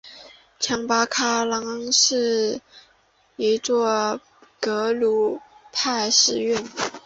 强巴拉康是一座格鲁派寺院。